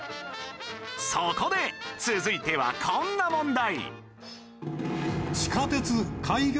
そこで続いてはこんな問題